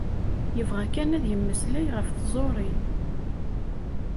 Yebɣa kan ad yemmeslay ɣef tẓuri.